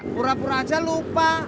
pura pura aja lupa